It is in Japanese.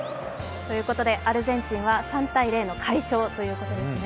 アルゼンチンは３−０の快勝ということですね。